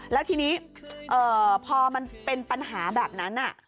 แล้วทีนี้พอมันเป็นปัญหาแบบนั้น